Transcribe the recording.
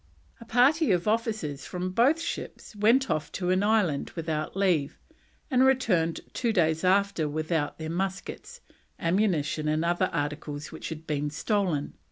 A party of officers from both ships went off to an island without leave, and returned two days after without their muskets, ammunition, and other articles which had been stolen.